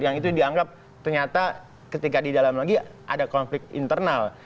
yang itu dianggap ternyata ketika di dalam lagi ada konflik internal